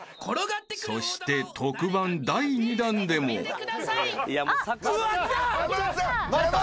［そして特番第２弾でも］うわ！来た！